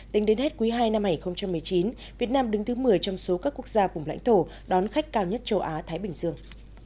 tính đến hết quý ii năm hai nghìn một mươi chín việt nam đứng thứ một mươi trong số các quốc gia vùng lãnh thổ đón khách cao nhất châu á thái bình dương